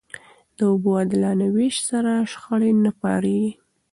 د اوبو عادلانه وېش سره، شخړې نه پارېږي.